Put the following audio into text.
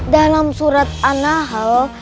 dalam surat anahl